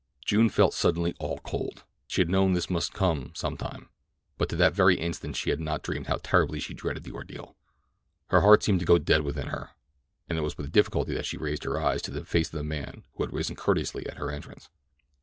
June felt suddenly all cold. She had known that this must come some time, but to that very instant she had not dreamed how terribly she dreaded the ordeal. Her heart seemed to go dead within her, and it was with difficulty that she raised her eyes to the face of the man who had risen courteously at her entrance.